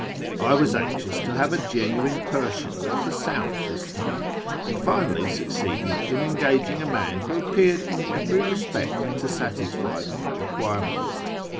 I was anxious to have a genuine Persian of the south this time, and finally succeeded in engaging a man who appeared in every respect to satisfy my requirements.